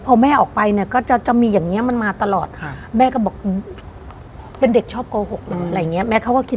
พอแม่ออกไปเนี่ยก็จะมีอย่างนี้มันมาตลอดแม่ก็บอกเป็นเด็กชอบโกหกอะไรอย่างนี้